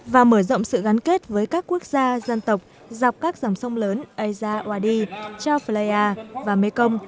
và mở rộng sự gắn kết với các quốc gia dân tộc dọc các dòng sông lớn aiza wadi chao phleya và mekong